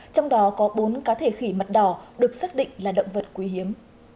trong đó có bốn cá thể khỉ mặt đỏ được xác định là động vật quý hiếm